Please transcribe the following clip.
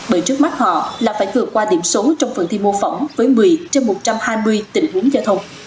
bởi trước mắt họ là phải vượt qua điểm số trong phần thi mô phỏng với một mươi trên một trăm hai mươi tình huống giao thông